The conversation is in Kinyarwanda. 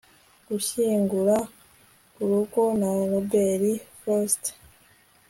Gushyingura Urugo ya Robert Frost